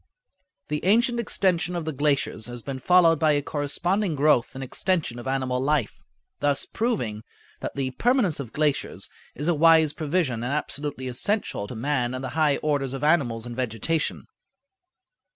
The ancient extension of the glaciers has been followed by a corresponding growth and extension of animal life, thus proving that the permanence of glaciers is a wise provision and absolutely essential to man and the high orders of animals and vegetation.